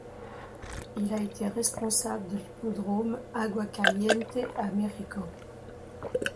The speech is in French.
Il a été responsable de l'hippodrome Agua Caliente à Mexico.